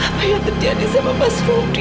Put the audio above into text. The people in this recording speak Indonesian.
apa yang terjadi sama mas roky